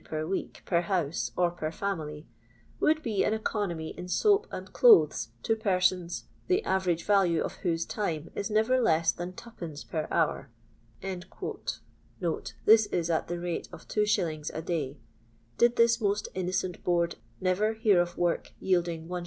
per week per house or per fiunily, would be an economy in soap and clothes to persons the average value of whose time is never less than 2d. per hour." [This is at the rate of 2f. a day ; did this most innocent Board ntver hear of work yielding \t. 6d.